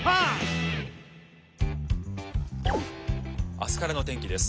「明日からの天気です。